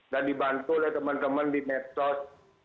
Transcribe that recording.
dan dibantu oleh teman teman di medsos